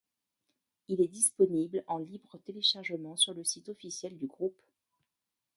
Il est disponible en libre téléchargement sur le site officiel du groupe.